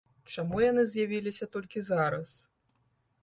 Чаму яны з'явіліся толькі зараз?